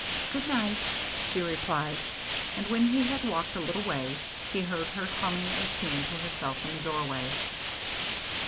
" Good night," she replied. And when he had walked a little way, he heard her humming a tune to herself in the doorway.